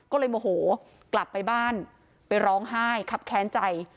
ก็เลยโมโหกลับไปบ้านไปร้องไห้ครับแค้นใจ